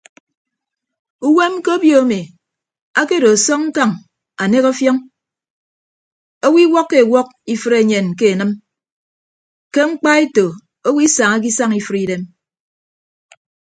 Uwem ke obio emi akedo asọñ ñkañ anek ọfiọñ owo iwọkkọ ewọk ifre enyen ke enịm ke mkpaeto owo isañake isañ ifre idem.